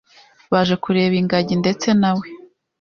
baje kureba ingagi ndetse nawe